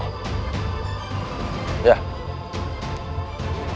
sepertinya mereka penduduk biasa